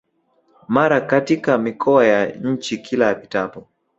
mara katika mikoa ya nchi Kila apitapo